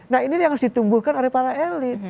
nah ini yang harus ditumbuhkan oleh para elit